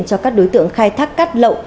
cho các đối tượng khai thác cát lộ